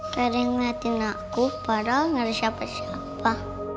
keringat inaku pada ngere syapa syapa